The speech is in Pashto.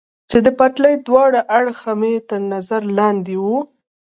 چې د پټلۍ دواړه اړخه مې تر نظر لاندې و.